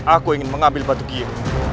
aku ingin mengambil batu kiev